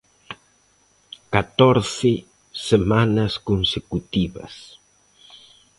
Catorce semanas consecutivas.